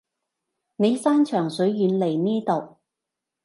你山長水遠嚟呢度